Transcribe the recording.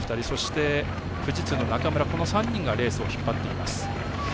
そして、富士通の中村この３人がレースを引っ張っています。